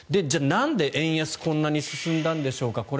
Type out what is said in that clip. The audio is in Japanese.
じゃあ、なんで円安こんなに進んだんでしょうか。